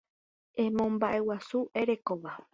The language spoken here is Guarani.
Emomba'eguasu erekóva